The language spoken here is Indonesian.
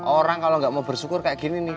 orang kalo gak mau bersyukur kayak gini nih